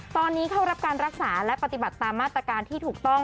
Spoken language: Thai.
ตอนนี้เข้ารับการรักษาและปฏิบัติตามมาตรการที่ถูกต้อง